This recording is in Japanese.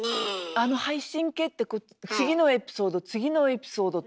あの配信系ってこう次のエピソード次のエピソードって。